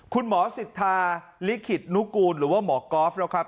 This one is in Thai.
คุณหมอสิทธาลิขิตนุกูลหรือว่าหมอกอล์ฟแล้วครับ